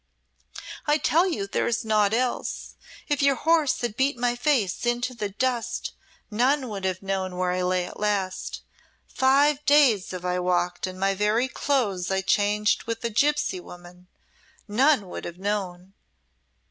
"I tell you there is naught else. If your horse had beat my face into the dust, none would have known where I lay at last. Five days have I walked and my very clothes I changed with a gipsy woman. None would have known."